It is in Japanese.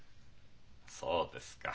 そうですか。